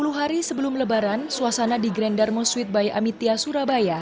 sepuluh hari sebelum lebaran suasana di grand darmo sweetbay amitya surabaya